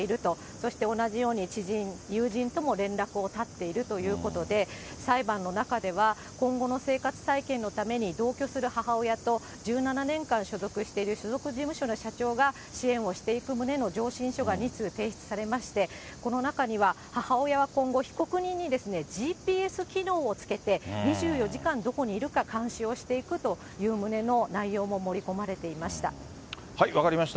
そして同じように知人、友人とも連絡を断っているということで、裁判の中では、今後の生活再建のために同居する母親と、１７年間所属している所属事務所の社長が支援をしていく旨の上申２４時間どこにいるか監視をしていくという旨の内容も盛り込まれ分かりました。